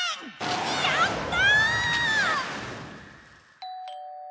やった！